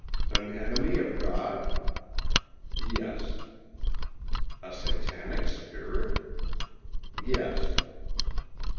"An enemy of God?" "Yes." "A Satanic spirit?" "Yes."